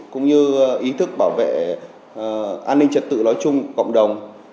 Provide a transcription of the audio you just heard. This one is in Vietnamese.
cũng như ý thức bảo vệ an ninh trật tự nói chung cộng đồng